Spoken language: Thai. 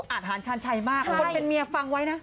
ทหารชาญชัยมากคนเป็นเมียฟังไว้นะ